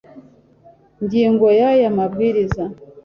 ngingo ya y aya mabwiriza